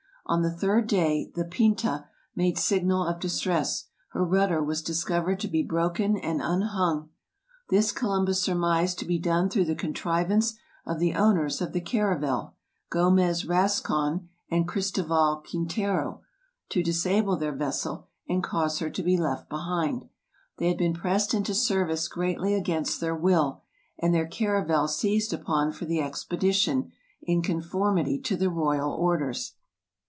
On the third day, the '' Pinta '' made signal of distress ; her rudder was discov ered to be broken and unhung. This Columbus surmised to be done through the contrivance of the owners of the caravel, Gomez Rascon, and Cristoval Quintero, to disable their vessel and cause her to be left behind. They had been pressed into service greatly against their will, and their caravel seized upon for the expedition, in conformity to the royal orders.